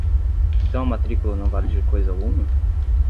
Então a matrícula não vale de coisa alguma?